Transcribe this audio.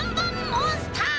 モンスター？